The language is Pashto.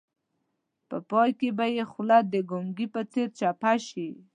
په پای کې به یې خوله د ګونګي په څېر چپه شي.